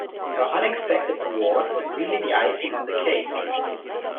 Her unexpected award was really the icing on the cake